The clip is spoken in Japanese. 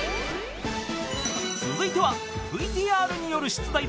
［続いてはＶＴＲによる出題です］